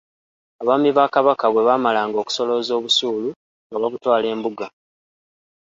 Abaami ba Kabaka bwe baamalanga okusolooza obusuulu nga babutwala embuga.